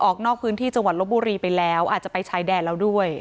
ออกนอกพื้นที่จังหวัดลบบุรีไปแล้วอาจจะไปชายแดนแล้วด้วย